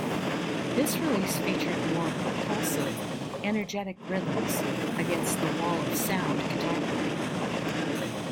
This release featured more propulsive, energetic rhythms against the "wall of sound" guitar playing.